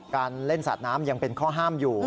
การเล่นสาดน้ำยังเป็นข้อห้ามอยู่